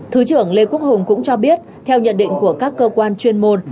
thứ trưởng lê quốc hùng cũng cho biết theo nhận định của các cơ quan chuyên môn